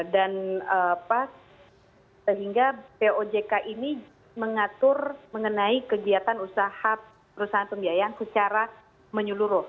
dan pas sehingga pojk ini mengatur mengenai kegiatan usaha perusahaan pembiayaan secara menyeluruh